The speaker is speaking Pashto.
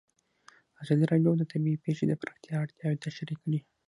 ازادي راډیو د طبیعي پېښې د پراختیا اړتیاوې تشریح کړي.